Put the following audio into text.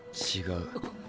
違う。